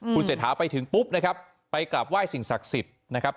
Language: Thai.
คุณเศรษฐาไปถึงปุ๊บนะครับไปกลับไหว้สิ่งศักดิ์สิทธิ์นะครับ